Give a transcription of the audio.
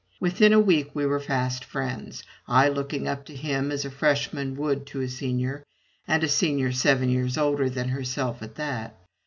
Within a week we were fast friends, I looking up to him as a Freshman would to a Senior, and a Senior seven years older than herself at that.